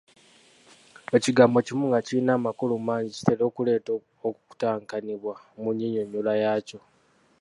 Ekigambo kimu nga kirina amakulu mangi kitera okuleeta okutankanibwa mu nnyinnyonnyola yaakyo.